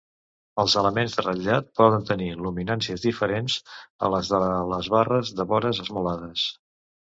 Els elements de ratllat poden tenir luminàncies diferents a les de les barres de vores esmolades.